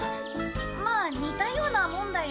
まあ似たようなもんだよ。